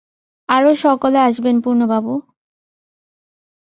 আরো সকলে আসবেন পূর্ণবাবু!